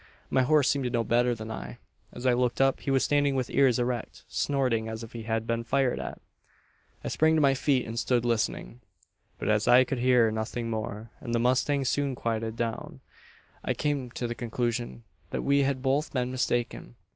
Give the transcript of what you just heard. "My horse seemed to know better than I. As I looked up, he was standing with ears erect, snorting, as if he had been fired at! "I sprang to my feet, and stood listening. "But as I could hear nothing more, and the mustang soon quieted down, I came to the conclusion that we had both been mistaken.